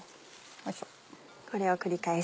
これを繰り返し。